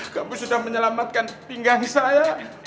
kamu sudah menyelamatkan pinggang saya